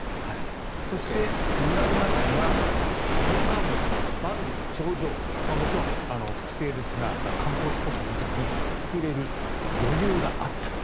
そして、村の中には天安門とか万里の長城もちろん複製ですが観光スポットみたいに作れる余裕があった。